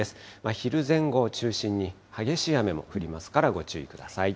昼前後を中心に激しい雨も降りますから、ご注意ください。